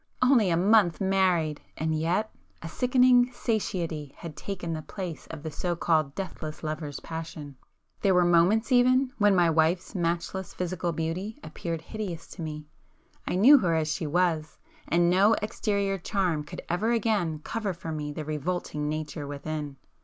Only a month married!—and yet,—a sickening satiety had taken the place of the so called 'deathless' lover's passion. There were moments even, when my wife's matchless physical beauty appeared hideous to me. I knew her as she was,—and no exterior charm could ever again cover for me the revolting nature within.